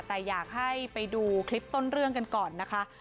แต่อยากให้ไปดูคลิปต้นเรื่องกันก่อนนะคะ